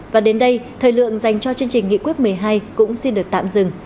và đến đây thời lượng dành cho chương trình nghị quyết một mươi hai cũng xin được tạm dừng